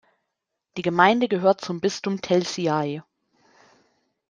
Die Gemeinde gehört zum Bistum Telšiai.